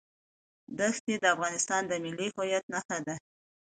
دښتې د افغانستان د ملي هویت نښه ده.